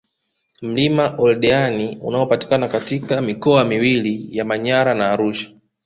Mlima Oldeani unaopatikana katika mikoa miwili ya Manyara na Arusha